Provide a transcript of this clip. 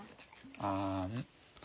あん。